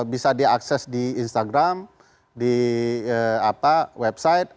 bisa diakses di instagram di website